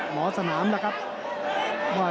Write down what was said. หมอสนามล่ะครับ